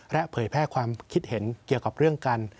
และเผยแพร่ความคิดเห็นเกี่ยวกับเรื่องการ